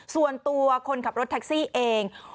ส่วนตัวคนขับรถแท็กซี่เอง